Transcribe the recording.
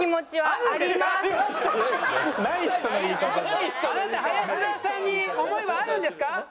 あなた林田さんに想いはあるんですか？